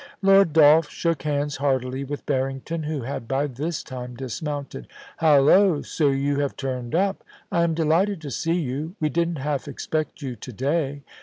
Lord Dolph shook hands heartily with Barrington, who had by this time dismounted * Hallo ! so you have turned up. I am delighted to see you; we didn't half expect you to day.